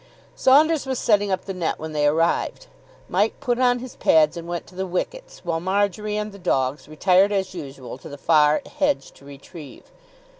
Saunders was setting up the net when they arrived. Mike put on his pads and went to the wickets, while Marjory and the dogs retired as usual to the far hedge to retrieve.